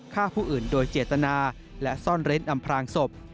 ฆ่าผู้อื่นโดยเจตนาและซ่อนเร้นอำพลางศพ